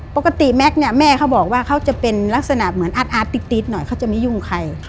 ปกติแม็กซ์เนี่ยแม่เขาบอกว่าเขาจะเป็นลักษณะเหมือนอาร์ตติ๊ดหน่อยเขาจะไม่ยุ่งใคร